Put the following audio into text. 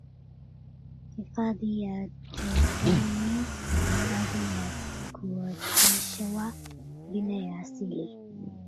Hifadhi ya Jozani si hifadhi ya kuoteshwa bali ya asili